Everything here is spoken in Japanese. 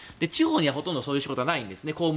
地方にはほとんどそういう仕事はないんですね。